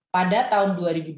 pada tahun dua ribu dua puluh